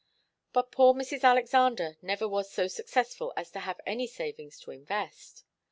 But poor Mrs. Alexander never was so successful as to have any savings to invest.